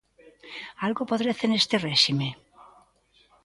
Algo podrece neste réxime?